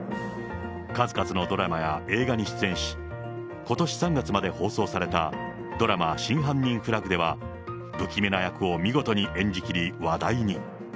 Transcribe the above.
数々のドラマや映画に出演し、ことし３月まで放送されたドラマ、真犯人フラグでは、不気味な役を見事に演じ切り話題に。